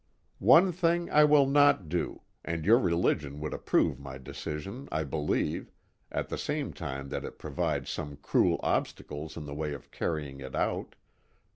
"One thing I will not do and your religion would approve my decision, I believe (at the same time that it provides some cruel obstacles in the way of carrying it out).